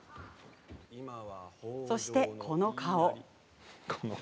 そして、この顔。